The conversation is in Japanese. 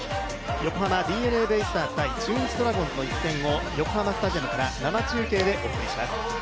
横浜ＤｅＮＡベイスターズ×中日ドラゴンズの一戦を横浜スタジアムから生中継でお伝えします。